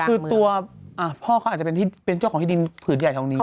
คือตัวพ่อเขาอาจจะเป็นเจ้าของที่ดินผืนใหญ่เท่านี้